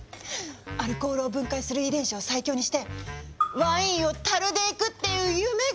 アルコールを分解する遺伝子を最強にしてワインを樽でいくっていう夢が！